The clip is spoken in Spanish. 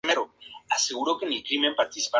Ferdinand y Notre Dame High School for Girls.